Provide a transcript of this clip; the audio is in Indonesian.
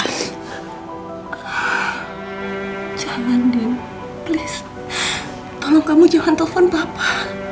aku juga mau nelfon papa